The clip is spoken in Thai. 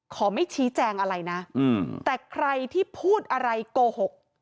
ขอไม่ชี้แจงอะไรนะแต่ใครที่พูดอะไรโกหก